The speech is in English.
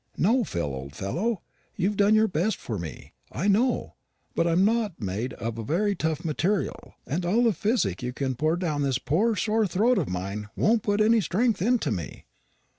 No, Phil, old fellow, you've done your best for me, I know; but I'm not made of a very tough material, and all the physic you can pour down this poor sore throat of mine won't put any strength into me."